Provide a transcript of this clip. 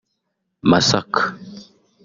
Masaka